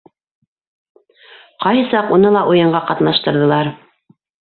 Ҡайһы саҡ уны ла уйынға ҡатнаштырҙылар.